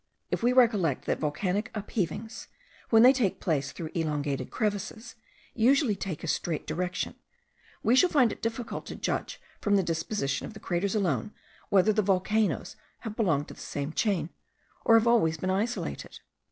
If we recollect that volcanic upheavings, when they take place through elongated crevices, usually take a straight direction, we shall find it difficult to judge from the disposition of the craters alone, whether the volcanoes have belonged to the same chain, or have always been isolated.